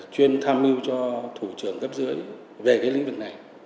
chuyên tham mưu cho thủ trưởng cấp dưới về cái lĩnh vực này